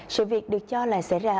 sự việc được cho là xảy ra